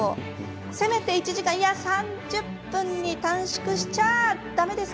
せめて１時間いや３０分に短縮しちゃ駄目ですか？